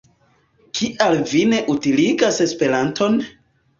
Kial vi ne utiligas Esperanton?